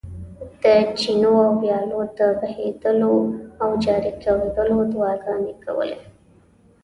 د چینو او ویالو د بهېدلو او جاري کېدلو دعاګانې کولې.